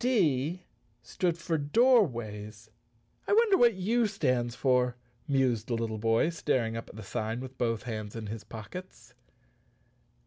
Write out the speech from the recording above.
"D stood for doorways. I wonder what U stands for?" mused the little boy, staring up at the sign with both hands in his pockets.